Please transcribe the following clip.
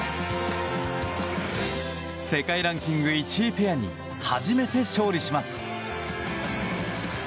世界ランキング１位ペアに初めて勝利します。